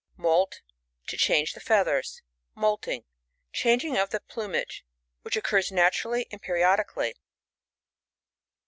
Moult. — To change the feathers. Moulting. — Changing of the plu mage, which occurs naturally and periodically.